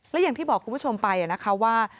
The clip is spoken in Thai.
และอย่างที่บอกคุณผู้ชมไปนะคะว่า